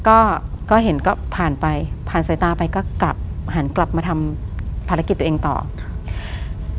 ก็ก็เห็นก็ผ่านไปผ่านสายตาไปก็กลับหันกลับมาทำภารกิจตัวเองต่อครับ